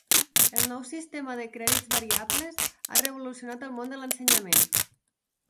El nou sistema de crèdits variables ha revolucionat el món de l'ensenyament.